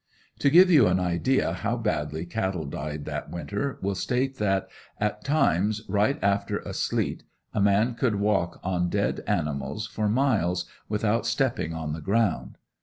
To give you an idea how badly cattle died that winter will state that, at times, right after a sleet, a man could walk on dead animals for miles without stepping on the ground.